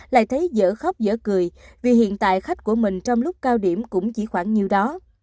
lại thấy dở khóc giở cười vì hiện tại khách của mình trong lúc cao điểm cũng chỉ khoảng nhiều đó